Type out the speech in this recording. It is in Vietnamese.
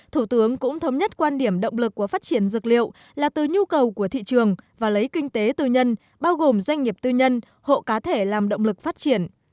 thủ tướng cũng thống nhất quan điểm động lực của phát triển dược liệu là từ nhu cầu của thị trường và lấy kinh tế tư nhân bao gồm doanh nghiệp tư nhân hộ cá thể làm động lực phát triển